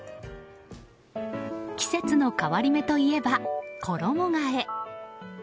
季節の変わり目といえば衣替え。